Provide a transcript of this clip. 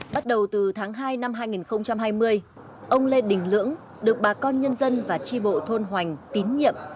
bắt đầu từ tháng hai năm hai nghìn hai mươi ông lê đình lưỡng được bà con nhân dân và tri bộ thôn hoành tín nhiệm